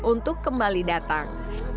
untuk kembali datang